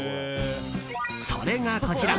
それが、こちら。